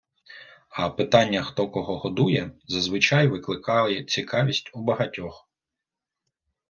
А питання «хто кого годує» зазвичай викликає цікавість у багатьох.